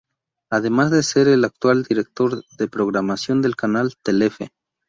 Además de ser el actual director de programación del canal Telefe.